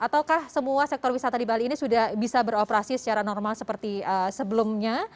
ataukah semua sektor wisata di bali ini sudah bisa beroperasi secara normal seperti sebelumnya